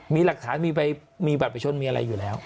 มีหลักฐานมีบัตรประชนมีอะไรอยู่แล้ว